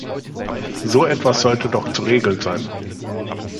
So etwas sollte doch zu regeln sein.